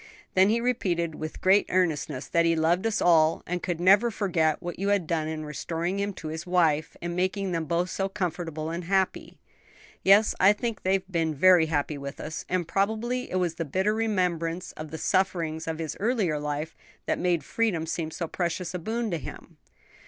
Then he repeated, with great earnestness, that he loved us all, and could never forget what you had done in restoring him to his wife, and making them both so comfortable and happy." "Yes, I think they have been happy with us; and probably it was the bitter remembrance of the sufferings of his earlier life that made freedom seem so precious a boon to him."